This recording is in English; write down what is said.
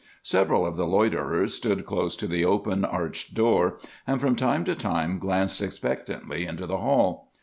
Several of the loiterers stood close to the open, arched door, and from time to time glanced expectantly into the hall.